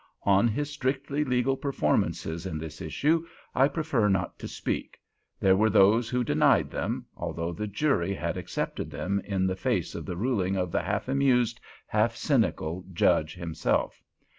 On his strictly legal performances in this issue I prefer not to speak; there were those who denied them, although the jury had accepted them in the face of the ruling of the half amused, half cynical Judge himself.